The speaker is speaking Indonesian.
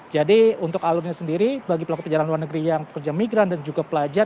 jadi untuk alurnya sendiri bagi pelaku perjalanan luar negeri yang pekerja migran dan juga pelajar